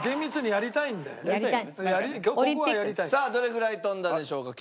さあどれぐらい飛んだのでしょうか？